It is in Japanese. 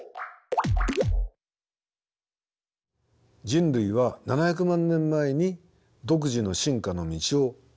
人類は７００万年前に独自の進化の道を歩み始めました。